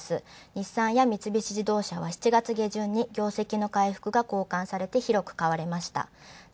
日産や三菱自動車は７月下旬に業績の回復が好感され広く買われました。